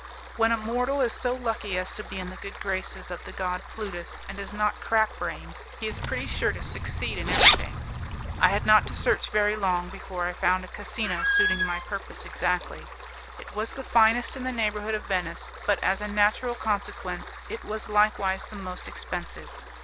When a mortal is so lucky as to be in the good graces of the god Plutus, and is not crackbrained, he is pretty sure to succeed in everything: I had not to search very long before I found a casino suiting my purpose exactly. It was the finest in the neighbourhood of Venice, but, as a natural consequence, it was likewise the most expensive.